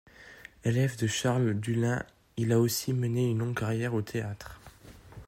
Élève de Charles Dullin, il a aussi mené une longue carrière au théâtre.